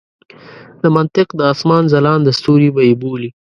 د منطق د اسمان ځلانده ستوري به یې بولي.